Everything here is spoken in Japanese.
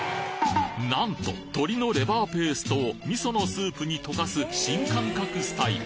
なんと鳥のレバーペーストを味噌のスープに溶かす新感覚スタイル。